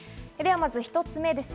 まず１つ目です。